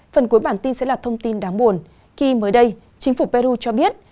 phần cuối bản tin sẽ là thông tin đáng buồn khi mới đây chính phủ peru cho biết